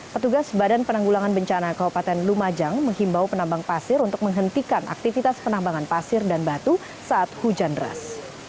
petugas badan penanggulangan bencana kabupaten lumajang menghimbau penambang pasir untuk menghentikan aktivitas penambangan pasir dan batu saat hujan deras